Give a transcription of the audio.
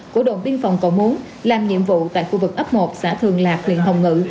của đồn biên phòng cầu muốn làm nhiệm vụ tại khu vực ấp một xã thường lạc huyện hồng ngự